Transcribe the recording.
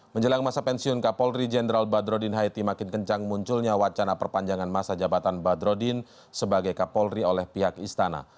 menjelang masa pensiun kapolri jenderal badrodin haiti makin kencang munculnya wacana perpanjangan masa jabatan badrodin sebagai kapolri oleh pihak istana